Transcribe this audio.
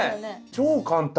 超簡単。